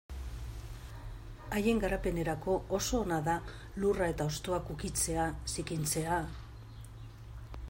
Haien garapenerako oso ona da lurra eta hostoak ukitzea, zikintzea...